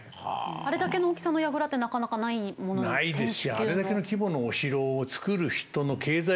あれだけの大きさの櫓ってなかなかないものですね。